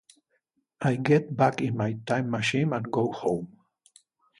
I get back in my time machine and go home.